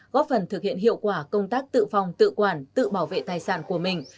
góp phần thực hiện hiệu quả công tác tự phòng tự quản tự bảo vệ tài sản của mình